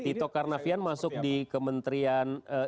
tito karnavian masuk di kementerian